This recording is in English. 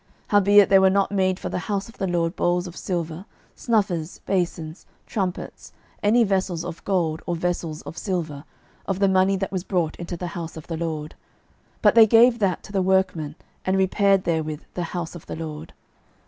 12:012:013 Howbeit there were not made for the house of the LORD bowls of silver, snuffers, basons, trumpets, any vessels of gold, or vessels of silver, of the money that was brought into the house of the LORD: 12:012:014 But they gave that to the workmen, and repaired therewith the house of the LORD.